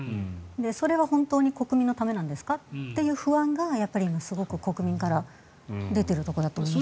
それは本当に国民のためなんですかって不安がやっぱり今、すごく国民から出ているところだと思います。